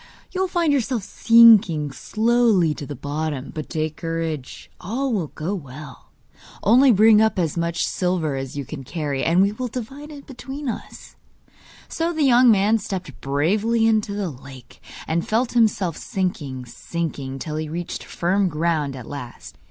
You will find yourself sinking slowly to the bottom; but take courage, all will go well. Only bring up as much silver as you can carry, and we will divide it between us.' So the young man stepped bravely into the lake, and felt himself sinking, sinking, till he reached firm ground at last.